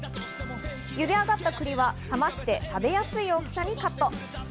茹で上がった栗は冷まして食べやすい大きさにカット。